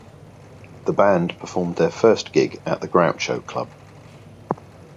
The band performed their first gig at the Groucho Club.